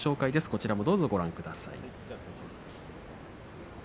こちらもご覧ください。